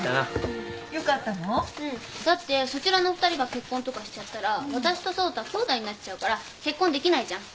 だってそちらの２人が結婚とかしちゃったら私と蒼太きょうだいになっちゃうから結婚できないじゃん。